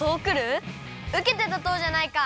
うけてたとうじゃないか！